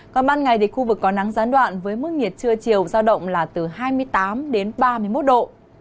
còn ban ngày thì khu vực có nắng gián đoạn với mức nhiệt trưa chiều giao động là từ hai mươi tám đến ba mươi một độ